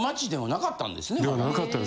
なかったですね。